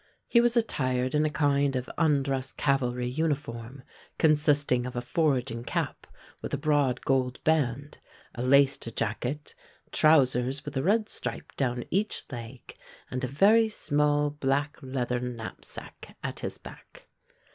He was attired in a kind of undress cavalry uniform, consisting of a foraging cap with a broad gold band, a laced jacket, trousers with a red stripe down each leg, and a very small black leathern knapsack at his back.